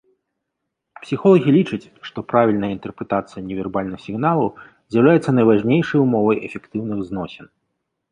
Псіхолагі лічаць, што правільная інтэрпрэтацыя невербальных сігналаў з'яўляецца найважнейшай умовай эфектыўных зносін.